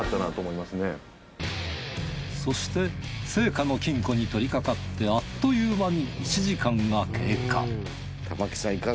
そして生家の金庫に取りかかってあっという間に玉置さん